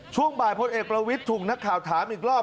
ช่วงบ่ายพลเอกรวิสถูกเป็นนักข่าวถามอีกรอบ